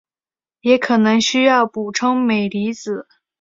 也可能需要补充镁离子。